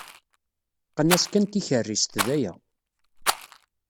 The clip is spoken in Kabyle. Qqen-as kan tikerrist, d aya.